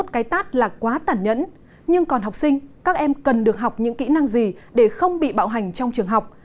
hai trăm ba mươi một cái tát là quá tản nhẫn nhưng còn học sinh các em cần được học những kỹ năng gì để không bị bạo hành trong trường học